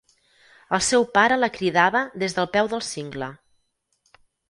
El seu pare la cridava des del peu del cingle.